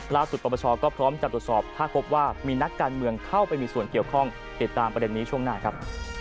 ปรปชก็พร้อมจะตรวจสอบถ้าพบว่ามีนักการเมืองเข้าไปมีส่วนเกี่ยวข้องติดตามประเด็นนี้ช่วงหน้าครับ